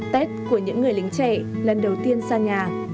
tết của những người lính trẻ lần đầu tiên xa nhà